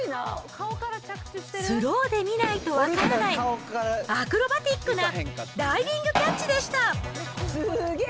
スローで見ないと分からない、アクロバティックなダイビングキャッチでした。